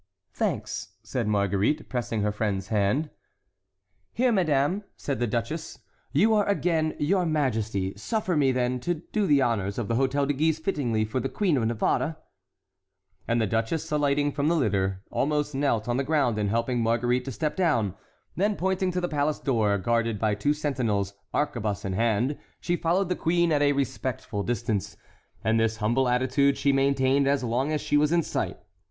"Thanks," said Marguerite, pressing her friend's hand. "Here, madame," said the duchess, "you are again 'your majesty;' suffer me, then, to do the honors of the Hôtel de Guise fittingly for the Queen of Navarre." And the duchess, alighting from the litter, almost knelt on the ground in helping Marguerite to step down; then pointing to the palace door guarded by two sentinels, arquebuse in hand, she followed the queen at a respectful distance, and this humble attitude she maintained as long as she was in sight.